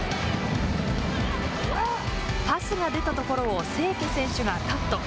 パスが出たところを清家選手がカット。